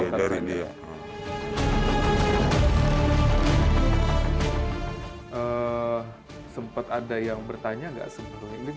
sempat ada yang bertanya nggak sebelum ini